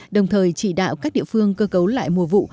đồng thời chỉ đạo các địa phương cơ cấu lại mùa vụ